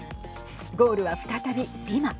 ゴールは再びリマ。